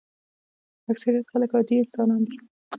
اکثریت خلک عادي انسانان دي.